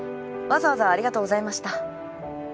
わざわざありがとうございました。